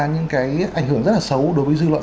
những cái ảnh hưởng rất là xấu đối với dư luận